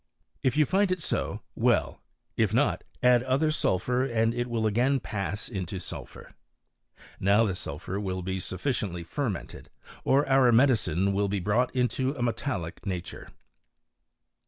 If you find it so, •well ; if not add other sulphur and it will again pass into isulphur. Now the sulphur will be sufficiently ferment led, or our medicine will be brought into a metallic jas^ure.